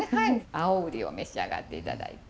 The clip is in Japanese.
青瓜を召し上がって頂いて。